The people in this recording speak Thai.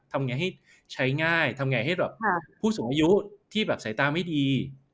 ทำไงให้ใช้ง่ายทำไงให้แบบผู้สูงอายุที่แบบสายตาไม่ดี